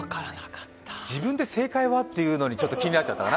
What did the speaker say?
自分で「正解は！」っていうのが気になっちゃったな。